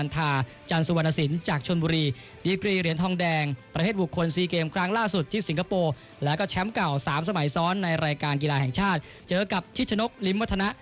ทางกีฬาแห่งชาติเจอกับชิชโชนกหลิมวัฒนะ